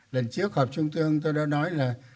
lần trước họp trung tương tôi đã nói là